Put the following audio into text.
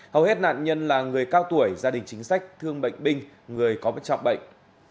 hầu hết nạn nhân là người cao tuổi gia đình chính sách thương bệnh binh người có bất trọng bệnh